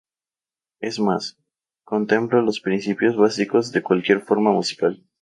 Es más, contempla los principios básicos de cualquier forma musical.